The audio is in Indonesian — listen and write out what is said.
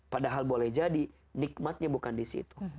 padahal boleh jadi nikmatnya bukan di situ